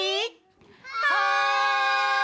はい！